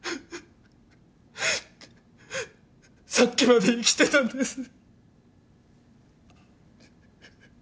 さっきまで生きてたんです。